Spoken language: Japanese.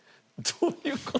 どういう事？